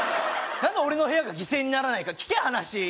何で俺の部屋が犠牲にならないかん聞け話！